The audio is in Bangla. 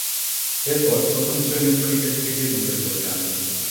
এরপর প্রথম-শ্রেণীর ক্রিকেট থেকে দূরে সরে যান।